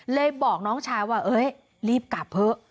เลยบอกน้องชายว่ารีบกลับเถอะ